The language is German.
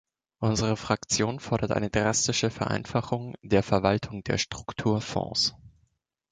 Unsere Fraktion fordert eine drastische Vereinfachung der Verwaltung der Strukturfonds.